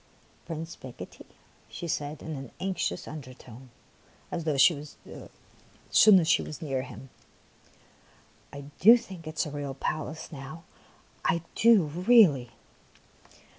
" Prince Picotee," she said in an anxious undertone, as soon as she was near him, '' I do think it is a real palace now, I do really